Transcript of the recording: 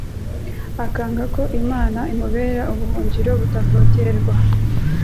akanga ko Imana imubera ubuhungiro butavogerwa